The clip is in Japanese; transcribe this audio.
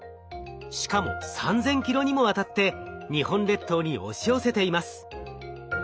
しかも３，０００ｋｍにもわたって日本列島に押し寄せています。